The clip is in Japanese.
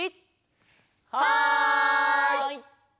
はい！